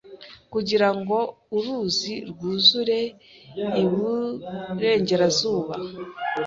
kugirango uruzi rwuzure iburengerazuba